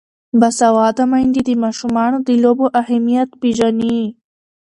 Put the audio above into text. باسواده میندې د ماشومانو د لوبو اهمیت پېژني.